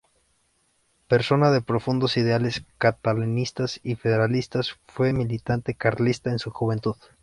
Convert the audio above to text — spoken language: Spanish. Persona de profundos ideales catalanistas y federalistas, fue militante carlista en su juventud.